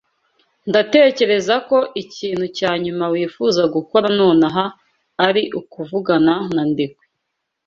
Ndatekereza ko ikintu cya nyuma wifuza gukora nonaha ari ukuvugana na Ndekwe.